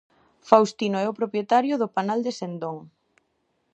Faustino é o propietario do Panal de Sendón.